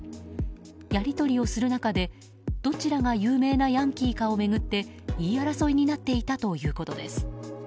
やり取りをする中で、どちらが有名なヤンキーかを巡って言い争いになっていたということです。